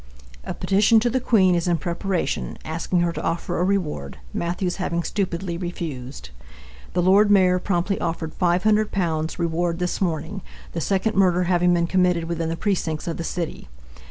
A petition to the Queen is in preparation, asking her to offer a reward, Mathews having stupidly refused. The Lord Mayor promptly offered £500 reward this morning, the second murder having been committed within the precincts of the city.